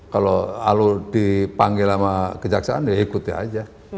kalau alur dipanggil sama kejaksaan ya ikuti aja